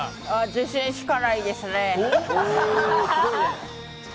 自信しかないですね。